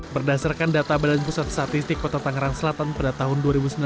berdasarkan data badan pusat statistik kota tangerang selatan pada tahun dua ribu sembilan belas